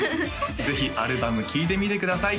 ぜひアルバム聴いてみてください